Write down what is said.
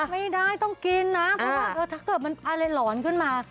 ไม่ได้ต้องกินนะเพราะว่าถ้าเกิดมันอะไรหลอนขึ้นมา